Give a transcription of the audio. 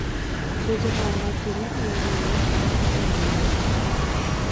كېچىدە ماڭغان كېمىلەر ئۇنىڭدىن ماياك سۈپىتىدە پايدىلىنىدۇ.